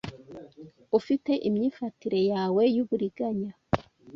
Ufite imyifatire yawe yuburiganya